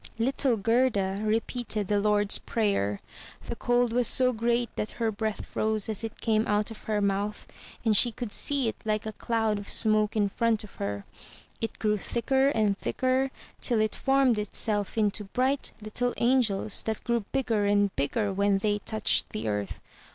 Little Gerda repeated the Lord's Prayer. The cold was so great that her breath froze as it came out of her mouth and she could see it Uke a cloud of smoke in front of her. It grew thicker and thicker, till it formed itself into bright little angels, that grew bigger and bigger when they touched the earth.